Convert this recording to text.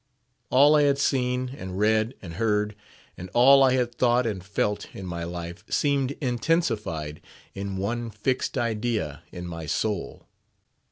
All I had seen, and read, and heard, and all I had thought and felt in my life, seemed intensified in one fixed idea in my soul.